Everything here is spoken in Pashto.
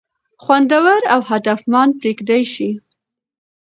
خوندور او هدفمند پر کېدى شي.